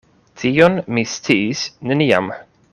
Tion mi sciis neniam.